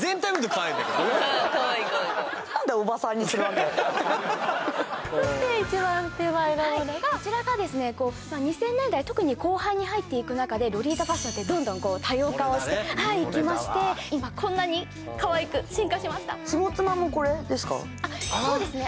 可愛い可愛い可愛いそして一番手前側のがこちらがですね２０００年代特に後半に入っていく中でロリータファッションってどんどん多様化をしていきまして今こんなに可愛く進化しましたそうですね